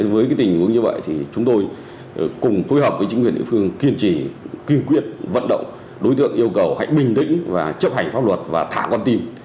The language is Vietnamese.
với tình huống như vậy thì chúng tôi cùng phối hợp với chính quyền địa phương kiên trì kiên quyết vận động đối tượng yêu cầu hãy bình tĩnh và chấp hành pháp luật và thả con tin